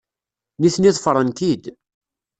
Nitni ḍefren-k-id.